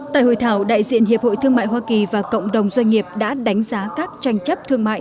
tại hội thảo đại diện hiệp hội thương mại hoa kỳ và cộng đồng doanh nghiệp đã đánh giá các tranh chấp thương mại